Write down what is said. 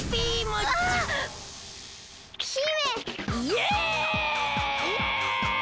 えっ？